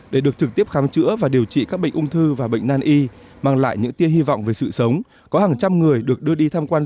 để được trực tiếp khám chữa bệnh cho khách hàng tạo nên một loại hình độc đáo mới lạ ở việt nam